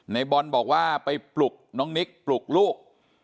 ในบอลบอกว่าไปปลุกน้องนิกปลุกลูก